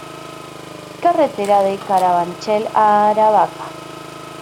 Carretera de Carabanchel a Aravaca.